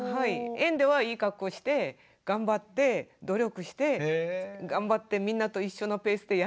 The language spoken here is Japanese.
園ではいいかっこして頑張って努力して頑張ってみんなと一緒のペースでやってるんですよ。